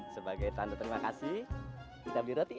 sebagai tanda terima kasih kita beli roti ya